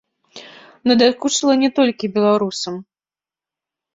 Надакучыла не толькі беларусам.